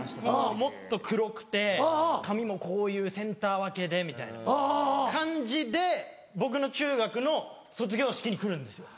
もっと黒くて髪もこういうセンター分けでみたいな感じで僕の中学の卒業式に来るんです。